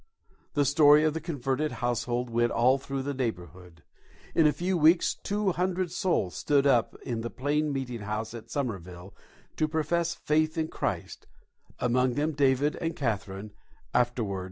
The story of the converted household went all through the neighbourhood. In a few weeks two hundred souls stood up in the plain meeting house at Somerville to profess faith in Christ, among them David and Catherine, afterward my parents.